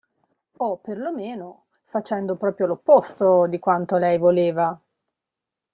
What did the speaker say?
O per lo meno facendo proprio l'opposto di quanto lei voleva.